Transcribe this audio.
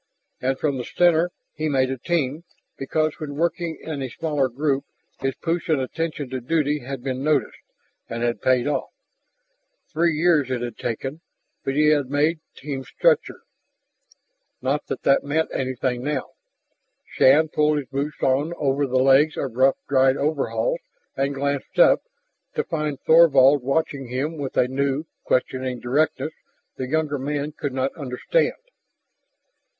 And from the center he made a Team, because when working in a smaller group his push and attention to duty had been noticed and had paid off. Three years it had taken, but he had made Team stature. Not that that meant anything now. Shann pulled his boots on over the legs of rough dried coveralls and glanced up, to find Thorvald watching him with a new, questioning directness the younger man could not understand.